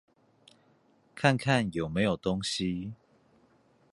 看看有沒有東西